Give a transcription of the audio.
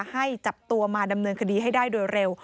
ให้จับตัวมาดำเนินคดีให้ได้โดยเร็ว